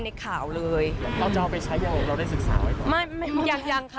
เราจะเอาไปใช้ได้หรือเราได้ศึกษาไว้ก่อน